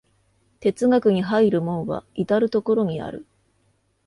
哲学に入る門は到る処にある。